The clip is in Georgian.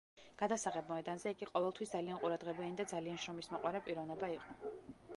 გადასაღებ მოედანზე იგი ყოველთვის ძალიან ყურადღებიანი და ძალიან შრომისმოყვარე პიროვნება იყო.